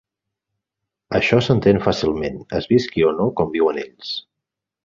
Això s'entén fàcilment, es visqui o no com ho viuen ells.